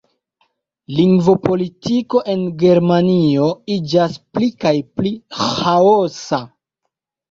Lingvopolitiko en Germanio iĝas pli kaj pli ĥaosa.